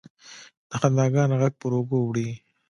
د خنداګانو، ږغ پر اوږو وړي